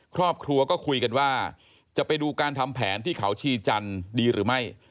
ครอบครัวก็คุยกันว่าจะไปดูการทำแผนที่เขาชีจันทร์ดีหรือไม่